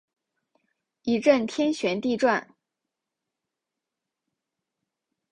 一阵天旋地转